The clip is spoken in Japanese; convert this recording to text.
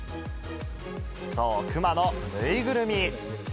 そう、熊の縫いぐるみ。